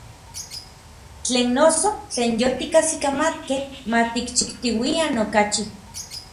Tlen noso, tlen yotikajsikamatkej, ma tikchijtiuian okachi.